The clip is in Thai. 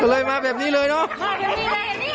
เลยมาแบบนี้เลยเนอะ